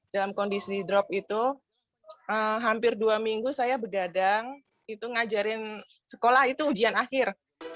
dalam kondisi drop itu hampir dua minggu saya bergadang itu ngajarin sekolah itu ujian akhir